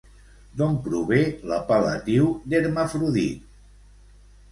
D'on prové l'apel·latiu d'Hermafrodit?